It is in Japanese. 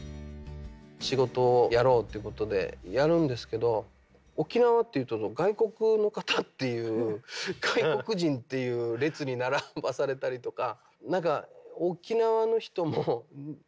仕事をやろうっていうことでやるんですけど沖縄っていうと外国の方っていう外国人っていう列に並ばされたりとか。